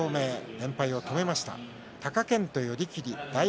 連敗を止めました。